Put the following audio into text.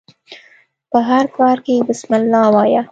په هر کار کښي بسم الله وايه!